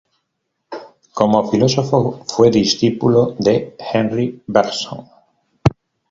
Como filósofo, fue discípulo de Henri Bergson.